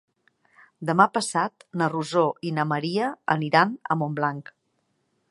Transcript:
Demà passat na Rosó i na Maria aniran a Montblanc.